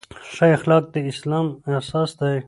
ښه اخلاق د اسلام اساس دی.